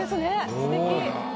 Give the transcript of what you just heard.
すてき。